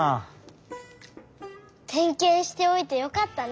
てんけんしておいてよかったね。